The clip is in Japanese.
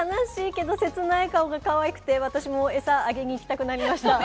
せつない顔がかわいくて私もエサあげに行きたくなりました。